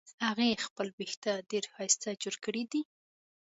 هغې خپل وېښته ډېر ښایسته جوړ کړې دي